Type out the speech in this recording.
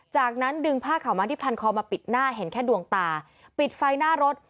จากนั้นดึงผ้าขาวม้าที่พันคอมาปิดหน้าเห็นแค่ดวงตาปิดไฟหน้ารถ